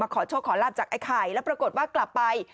ขอโชคขอลาบจากไอ้ไข่แล้วปรากฏว่ากลับไป